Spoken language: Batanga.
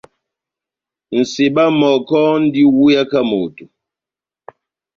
Nʼseba mɔkɔ múndi múweyaka moto.